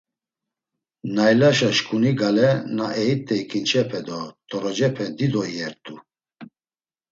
Naylaşa şǩuni gale, na eyit̆ey ǩinçepe do t̆orocepe dido iyert̆u.